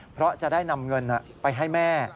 เพราะจะได้นำเงินไปให้แม่